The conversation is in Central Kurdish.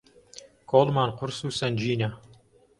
کۆڵمان قورس و سەنگینە